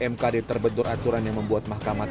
mkd terbentur aturan yang membuat mahkamah